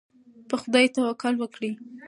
په خدای توکل وکړئ.